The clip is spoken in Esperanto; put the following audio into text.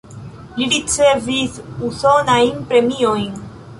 Li ricevis usonajn premiojn.